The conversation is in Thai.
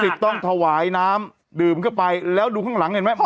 ต้องถวายน้ำดื่มเข้าไปแล้วดูข้างหลังเห็นไหม